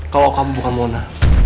kalau kamu bukan mona